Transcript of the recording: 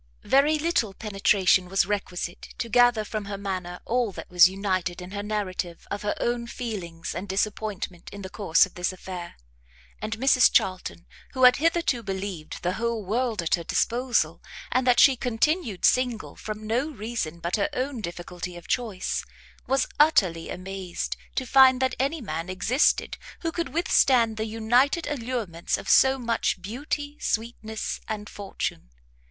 Very little penetration was requisite, to gather from her manner all that was united in her narrative of her own feelings and disappointment in the course of this affair; and Mrs Charlton, who had hitherto believed the whole world at her disposal, and that she continued single from no reason but her own difficulty of choice, was utterly amazed to find that any man existed who could withstand the united allurements of so much beauty, sweetness, and fortune.